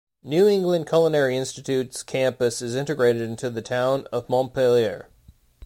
New England Culinary Institute's campus is integrated into the town of Montpelier.